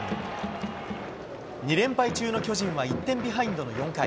２連敗中の巨人は１点ビハインドの４回。